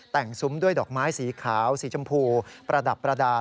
แต่งซุ้มด้วยดอกไม้สีขาวสีชมพูประดับประดาษ